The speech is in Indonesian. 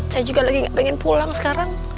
saya juga lagi pengen pulang sekarang